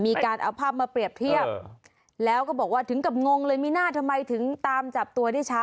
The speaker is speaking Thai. มีการเอาภาพมาเปรียบเทียบแล้วก็บอกว่าถึงกับงงเลยไม่น่าถามจับตัวนี่ช้า